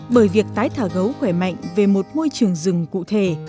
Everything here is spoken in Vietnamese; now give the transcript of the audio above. bởi việc tái thả gấu khỏe mạnh về một môi trường rừng cụ thể